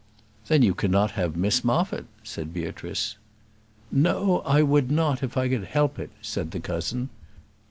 "Then you cannot have Miss Moffat," said Beatrice. "No; I would not if I could help it," said the cousin.